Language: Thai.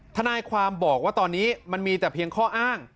ทนายความบอกว่าตอนนี้มันมีแต่เพียงข้ออ้าง